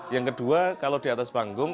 yang kedua kalau di atas panggung